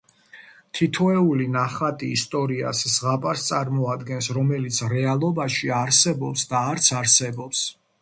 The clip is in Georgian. თითოეული ნახატი ისტორიას, ზღაპარს წარმოადგენს, რომელიც რეალობაში არსებობს და არც არსებობს.